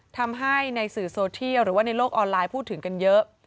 ทำให้ในสื่อโซเทียลหรือว่าในโลกออนไลน์พูดถึงกันเยอะ